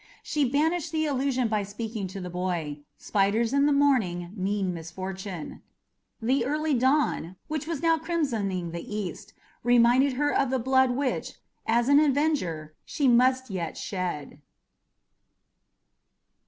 She banished the illusion by speaking to the boy spiders in the morning mean misfortune. The early dawn, which was now crimsoning the east, reminded her of the blood which, as an avenger, she must yet shed.